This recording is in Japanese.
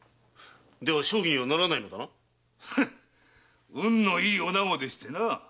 では娼妓にはならないのだな⁉運のいい女子でしてな。